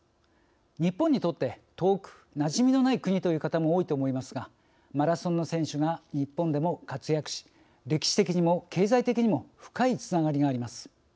日本にとって遠くなじみのない国という方も多いと思いますがマラソンの選手が日本でも活躍し歴史的にも経済的にも深いつながりがあります。